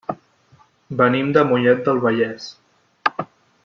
Venim de Mollet del Vallès.